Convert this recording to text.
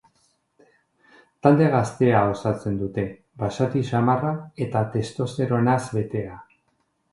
Talde gaztea osatzen dute, basati samarra eta testosteronaz betea.